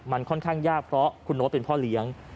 มันค่อนข้างยากเพราะคุณโน๊ตเป็นพ่อเลี้ยง